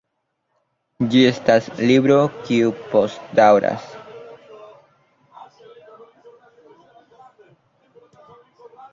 Ĝi estas libro kiu postdaŭras.